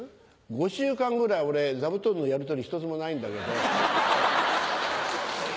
５週間ぐらい俺座布団のやりとり１つもないんだけど。